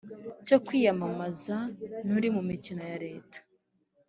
Cyo kwiyamamaza n uri mu mirimo ya leta